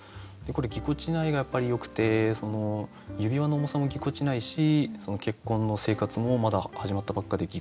これ「ぎこちない」がやっぱりよくて指輪の重さもぎこちないし結婚の生活もまだ始まったばっかでぎこちないし。